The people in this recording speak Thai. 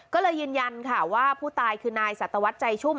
ก็เลยยืนยันค่ะว่าผู้ตายคือนายสัตวรรษใจชุ่ม